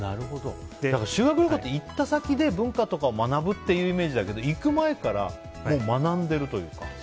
修学旅行って行った先で文化とかを学ぶというイメージだけど、行く前からもう学んでいるというか。